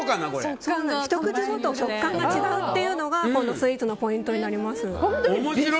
ひと口ごとに食感が違うというのが、このスイーツのポイントになります。